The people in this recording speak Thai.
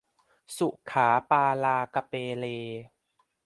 ศุขาปาลากะเปเล